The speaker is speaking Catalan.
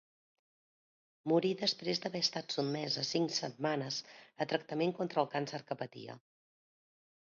Morí després d'haver estat sotmesa cinc setmanes a tractament contra el càncer que patia.